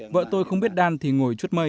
vợ tôi không biết đan thì ngồi chuốt mây